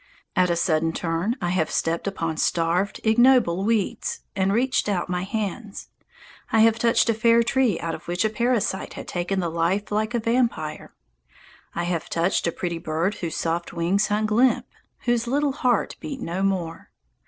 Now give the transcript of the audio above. At a sudden turn I have stepped upon starved, ignoble weeds, and reaching out my hands, I have touched a fair tree out of which a parasite had taken the life like a vampire. I have touched a pretty bird whose soft wings hung limp, whose little heart beat no more.